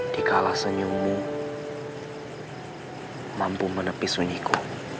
dikalah senyummu mampu menepi sunyiku